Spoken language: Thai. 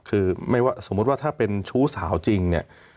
คือสมมติว่าถ้าเป็นชู้สาวจริงเนี่ย